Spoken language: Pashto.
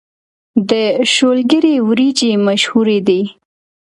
د شولګرې وريجې مشهورې دي